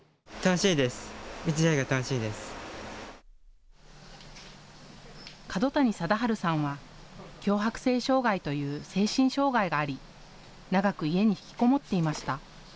廉谷貞治さんは強迫性障害という精神障害があり長く家に引きこもっていました。